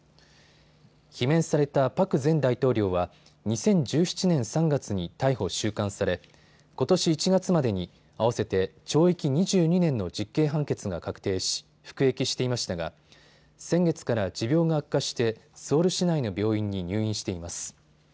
罷免されたパク前大統領は２０１７年３月に逮捕・収監されことし１月までに合わせて懲役２２年の実刑判決が確定し服役していましたが先月から持病が悪化してソウル市内の病院に入院しています。